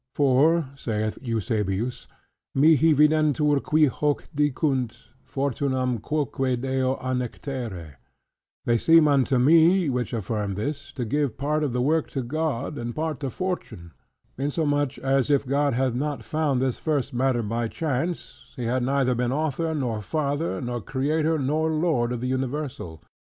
For (saith Eusebius) "Mihi videntur qui hoc dicunt, fortunam quoque Deo annectere," "They seem unto me, which affirm this, to give part of the work to God, and part to Fortune"; insomuch as if God had not found this first matter by chance, He had neither been author nor father, nor creator, nor lord of the universal.